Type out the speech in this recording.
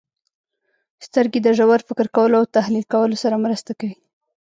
• سترګې د ژور فکر کولو او تحلیل کولو سره مرسته کوي.